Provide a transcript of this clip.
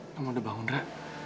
kamu udah bangun ra